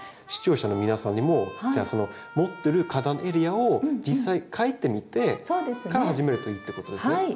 視聴者の皆さんにもじゃあその持ってる花壇エリアを実際描いてみてから始めるといいってことですね。